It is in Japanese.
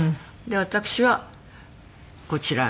私はこちら。